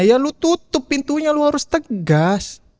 ya lu tutup pintunya lo harus tegas